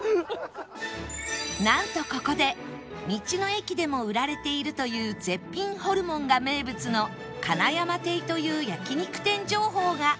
なんとここで道の駅でも売られているという絶品ホルモンが名物のカナヤマテイという焼肉店情報が